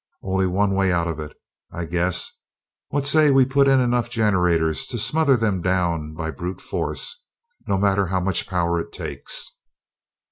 Only one way out of it, I guess what say we put in enough generators to smother them down by brute force, no matter how much power it takes?"